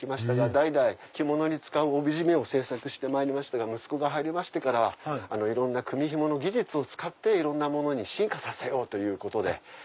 代々着物に使う帯締めを制作してまいりましたが息子が入りましてからはいろんな組み紐の技術を使っていろんなものに進化させようということで。